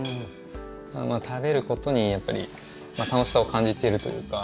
食べることに楽しさを感じているというか。